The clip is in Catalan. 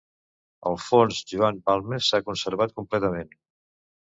El fons Joan Balmes s'ha conservat completament.